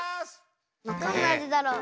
どんなあじだろう？